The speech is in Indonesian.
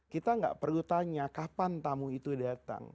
kita nggak perlu tanya kapan tamu itu datang